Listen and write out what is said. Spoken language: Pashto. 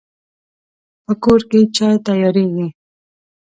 په کور کې چای تیاریږي